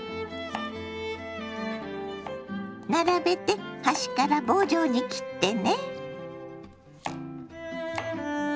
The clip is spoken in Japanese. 並べて端から棒状に切ってね。